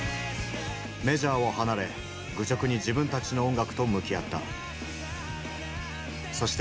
メジャーを離れ愚直に自分たちの音楽と向き合った。